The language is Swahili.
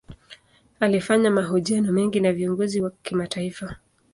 Alifanya mahojiano mengi na viongozi wa kimataifa.